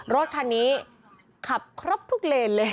รถคันนี้ขับครบทุกเลนเลย